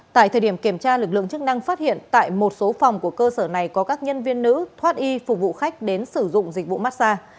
tại thời điểm kiểm tra lực lượng chức năng phát hiện tại một số phòng của cơ sở này có các nhân viên nữ thoát y phục vụ khách đến sử dụng dịch vụ massage